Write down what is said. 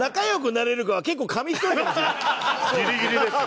ギリギリですよ。